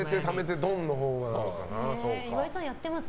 岩井さん、やってます？